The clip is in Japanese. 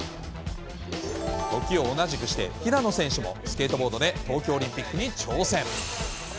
時を同じくして、平野選手もスケートボードで東京オリンピックに挑戦。